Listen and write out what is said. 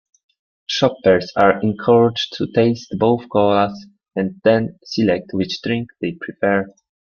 Shoppers are encouraged to taste both colas, and then select which drink they prefer.